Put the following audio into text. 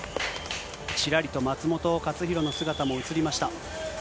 ちらりと松元克央の姿も映りました。